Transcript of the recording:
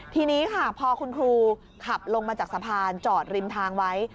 ทีนี้ค่ะพอคุณครูขับลงมาจากสะพานจอดริมทางไว้